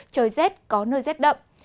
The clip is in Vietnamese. trời rét có nơi rét đậm